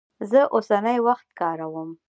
زه اوسنی وخت کاروم.